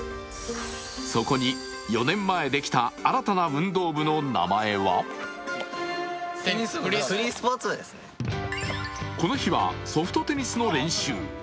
そこに４年前できた新たな運動部の名前はこの日はソフトテニスの練習。